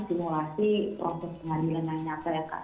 simulasi proses pengadilan yang nyata ya kak